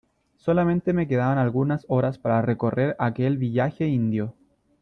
solamente me quedaban algunas horas para recorrer aquel villaje indio .